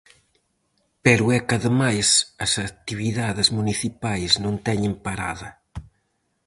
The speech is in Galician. Pero é que ademais as actividades municipais non teñen parada.